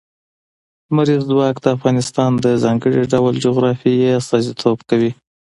لمریز ځواک د افغانستان د ځانګړي ډول جغرافیه استازیتوب کوي.